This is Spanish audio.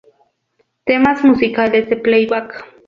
Temas musicales de Playback